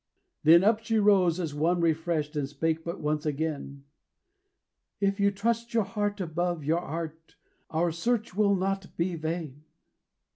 Then up she rose as one refreshed And spake but once again: "If you trust your heart above your art Our search will not be vain."